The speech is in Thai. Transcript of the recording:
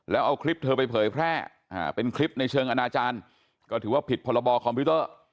แล้วเอาคลิปเธอไปเผยแพร่เป็นคลิปในเชิงอนาจารย์ก็ถือว่าผิดพรบคอมพิวเตอร์